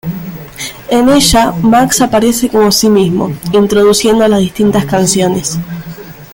En ella, Max aparece como sí mismo, introduciendo las distintas canciones.